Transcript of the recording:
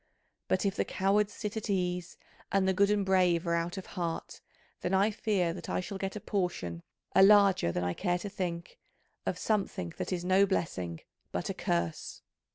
But if the cowards sit at ease and the good and brave are out of heart, then I fear that I shall get a portion, a larger than I care to think, of something that is no blessing but a curse."